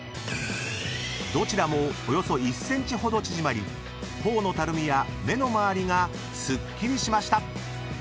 ［どちらもおよそ１ｃｍほど縮まり頬のたるみや目の周りがすっきりしました］